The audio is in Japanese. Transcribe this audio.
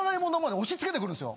押し付けてくるんすよ。